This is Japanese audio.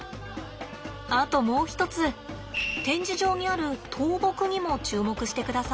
あともう一つ展示場にある倒木にも注目してください。